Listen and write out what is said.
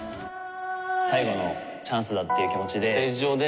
最後のチャンスだという気持ちで。